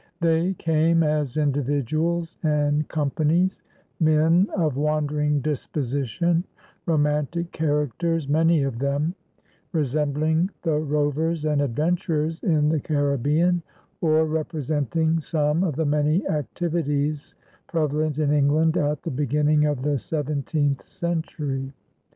They came as individuals and companies, men of wandering disposition, romantic characters many of them, resembling the rovers and adventurers in the Caribbean or representing some of the many activities prevalent in England at the beginning of the seventeenth century.